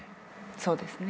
そうですね。